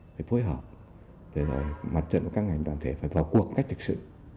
phải phối hợp để mặt trận các ngành đoàn thể phải vào cuộc cách thực sự